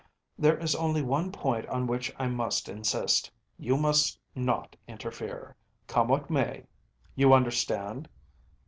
There is only one point on which I must insist. You must not interfere, come what may. You understand?